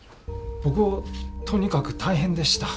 僕はとにかく大変でした。